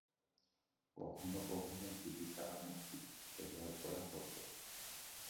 কখনও কখনও গুলি চালানো ইট ব্যবহার করা হত।